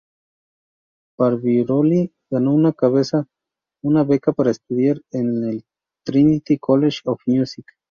Barbirolli ganó una beca para estudiar en el Trinity College of Music.